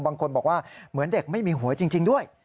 บางคนบอกว่าเหมือนเด็กไม่มีหวยจริงด้วย